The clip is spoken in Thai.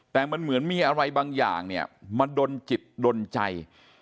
แต่มันเหมือนมีอะไรบางอย่างเนี่ยมาดนจิตดนใจ